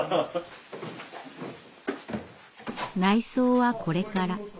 内装はこれから。